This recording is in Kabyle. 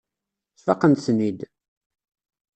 Sfaqent-ten-id.